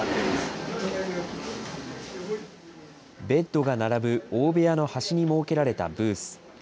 ベッドが並ぶ大部屋の端に設けられたブース。